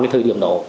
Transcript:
cái thời điểm đó